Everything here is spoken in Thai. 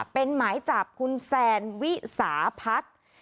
เป็นหมายจับคุณแซนวิสาพัฒน์